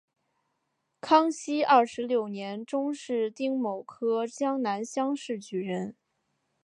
康熙二十六年中式丁卯科江南乡试举人。